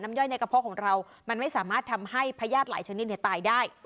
ย่อยในกระเพาะของเรามันไม่สามารถทำให้พญาติหลายชนิดตายได้